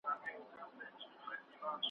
په تور یې د پردۍ میني نیولی جهاني یم `